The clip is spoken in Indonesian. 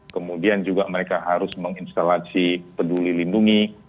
kemudian juga mereka harus menginstalasi peduli lindungi